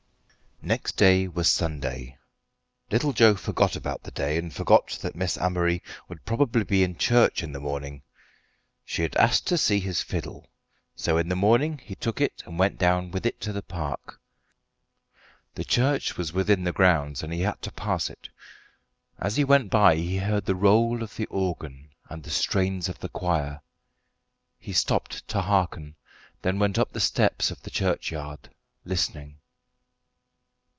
Next day was Sunday. Little Joe forgot about the day, and forgot that Miss Amory would probably be in church in the morning. She had asked to see his fiddle, so in the morning he took it and went down with it to the park. The church was within the grounds, and he had to pass it. As he went by he heard the roll of the organ and the strains of the choir. He stopped to hearken, then went up the steps of the churchyard, listening.